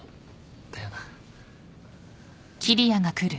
だよな。